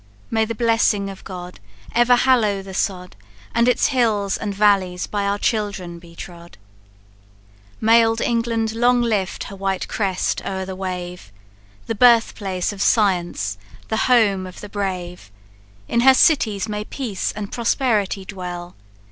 May the blessing of God Ever hallow the sod, And its valleys and hills by our children be trode! "May old England long lift her white crest o'er the wave, The birth place of science, the home of the brave! In her cities may peace and prosperity dwell!